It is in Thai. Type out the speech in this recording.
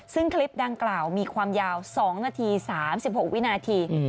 ซึ่งคลิปดังกล่าวมีความยาว๒นาที๓๖วินาที